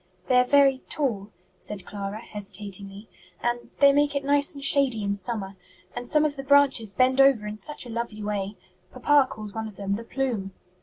"They are very tall," said Clara, hesitatingly, "and they make it nice and shady in summer; and some of the branches bend over in such a lovely way! Papa calls one of them 'the plume.'"